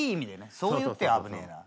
そう言って危ねえな。